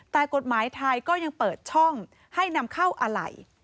แต่กฎหมายไทยก็ยังเปิดช่องให้นำเข้าอะไหล่